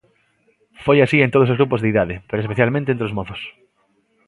Foi así en todos os grupos de idade, pero especialmente entre os mozos.